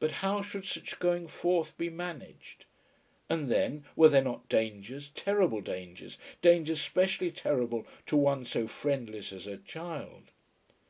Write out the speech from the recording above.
But how should such going forth be managed? And then, were there not dangers, terrible dangers, dangers specially terrible to one so friendless as her child?